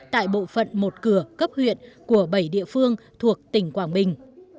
độ phận một cửa cấp huyện của bảy địa phương thuộc tỉnh quảng bình